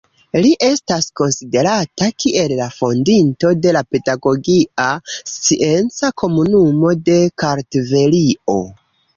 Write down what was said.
Li estas konsiderata kiel la fondinto de la Pedagogia Scienca Komunumo de Kartvelio.